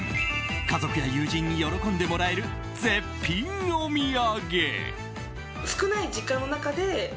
家族や友人に喜んでもらえる絶品お土産！